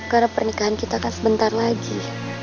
karena pernikahan kita kan sebentar lagi